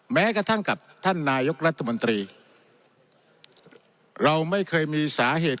แม้กระทั่งกับท่านนายกรัฐมนตรีเราไม่เคยมีสาเหตุ